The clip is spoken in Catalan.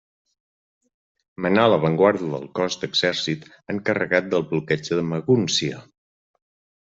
Manà l'avantguarda del cos d'exèrcit encarregat del bloqueig de Magúncia.